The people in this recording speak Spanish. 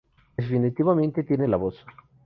Ella definitivamente tiene la voz"".